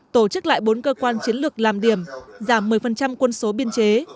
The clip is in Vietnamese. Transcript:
tổ chức lại bốn cơ quan chiến lược làm điểm giảm một mươi quân số biên chế